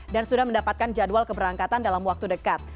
dan sudah mendapatkan jadwal keberangkatan dalam waktu dekat